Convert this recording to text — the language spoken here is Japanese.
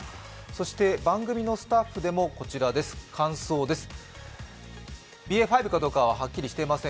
そして番組のスタッフでもこちら、感想です。